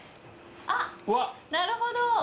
あっなるほど。